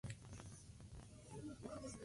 El último episodio de "Why Not?